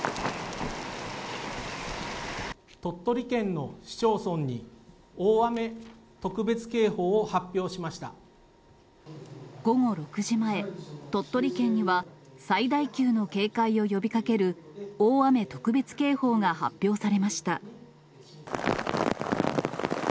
鳥取県の市町村に、大雨特別午後６時前、鳥取県には最大級の警戒を呼びかける大雨特別警報が発表されました。